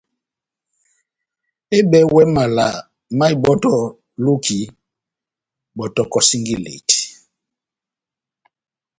Ehɨbɛwɛ mala má ibɔ́tɔ loki, bɔ́tɔkɔ singileti.